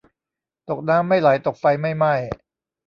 ตกน้ำไม่ไหล ตกไฟไม่ไหม้